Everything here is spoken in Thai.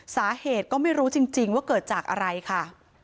สาเหตุก็ไม่รู้จริงว่าเกิดจากอะไรค่ะ